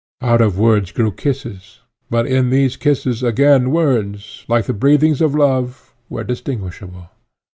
Out of words grew kisses, but in these kisses again words, like the breathings of love, were distinguishable.